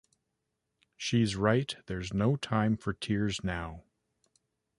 She's right; there's no time for tears now.